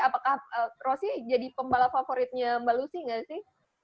apakah rosy jadi pembalap favoritnya mbak lucy gak sih